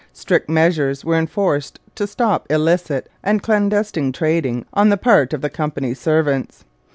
Strict measures were enforced to stop illicit and clandestine trading on the part of the Company's servants.